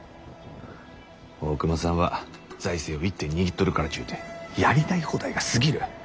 大隈さんは財政を一手に握っとるからっちゅうてやりたい放題が過ぎる。